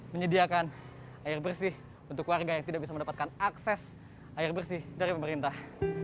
menyediakan air bersih untuk warga yang tidak bisa mendapatkan akses air bersih dari pemerintah